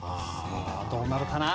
どうなるかな。